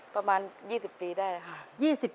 ประมาณ๒๐ปีได้ค่ะ